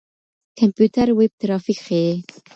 کمپيوټر ويب ټرافيک ښيي.